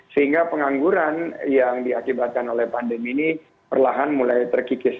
sehingga pengangguran yang diakibatkan oleh pandemi ini perlahan mulai terkikis